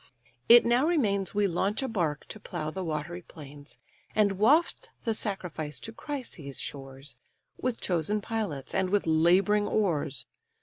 —It now remains We launch a bark to plough the watery plains, And waft the sacrifice to Chrysa's shores, With chosen pilots, and with labouring oars.